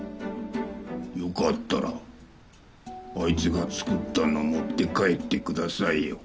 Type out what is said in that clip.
よかったらあいつが作ったの持って帰ってくださいよ。